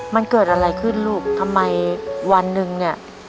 มันเกิดอะไรขึ้นลูกทำไมวันหนึ่งเนี่ย